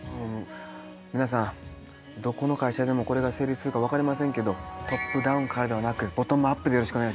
皆さんどこの会社でもこれが成立するか分かりませんけどトップダウンからではなくボトムアップでよろしくお願いします。